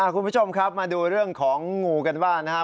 คุณผู้ชมครับมาดูเรื่องของงูกันบ้างนะครับ